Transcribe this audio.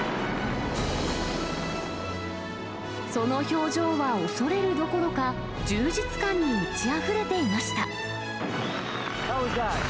その表情は、恐れるどころか、充実感に満ちあふれていました。